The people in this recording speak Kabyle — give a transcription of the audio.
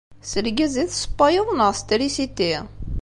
S lgaz i tessewwayeḍ neɣ s trisiti?